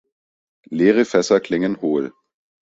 Leere Fässer klingen hohl.